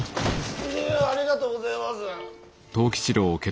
うありがとうごぜます。